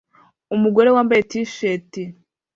Umugore wambaye T-shirt